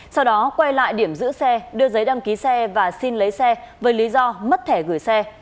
sau đó quay lại điểm giữ xe đưa giấy đăng ký xe và xin lấy xe với lý do mất thẻ gửi xe